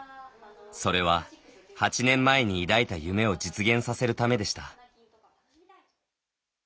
それは８年前に抱いた夢を実現させるためでした。